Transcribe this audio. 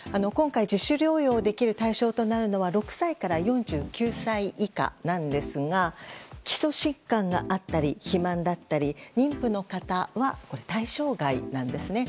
今回、自主療養できる対象となるのは６歳から４９歳以下なんですが基礎疾患があったり肥満だったり、妊婦の方は対象外なんです。